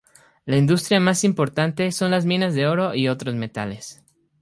La industria más importante son las minas de oro y otros metales.